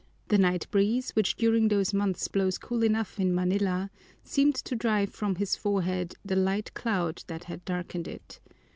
The night breeze, which during those months blows cool enough in Manila, seemed to drive from his forehead the light cloud that had darkened it.